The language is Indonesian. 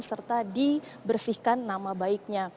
serta dibersihkan nama baiknya